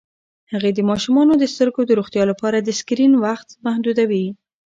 هغې د ماشومانو د سترګو د روغتیا لپاره د سکرین وخت محدودوي.